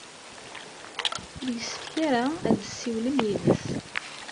Ur yessefk ara ad tessiwlem yid-s.